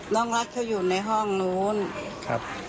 น้องรัฐเขาอยู่ในห้องนู้นครับ